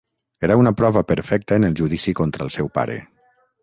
Era una prova perfecta en el judici contra el seu pare.